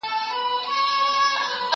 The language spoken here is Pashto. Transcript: زه به اوږده موده د سوالونو جواب ورکړی وم!